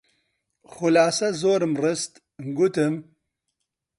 خولاسە زۆرم ڕست، گوتم: